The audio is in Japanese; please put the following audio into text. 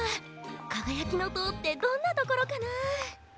「かがやきのとう」ってどんなところかな？